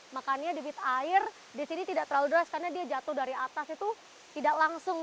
makanya debit air di sini tidak terlalu deras karena dia jatuh dari atas itu tidak langsung